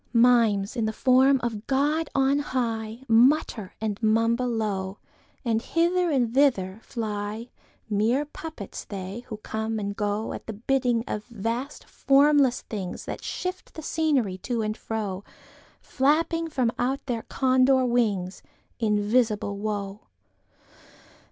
Mimes, in the form of God on high, Mutter and mumble low, And hither and thither fly—Mere puppets they, who come and goAt bidding of vast formless thingsThat shift the scenery to and fro, Flapping from out their Condor wingsInvisible Woe!